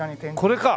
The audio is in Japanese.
これか！